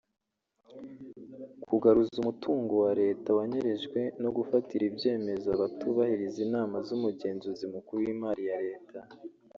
kugaruza umutungo wa Leta wanyerejwe no gufatira ibyemezo abatubahiriza inama z’Umugenzuzi Mukuru w’Imari ya Leta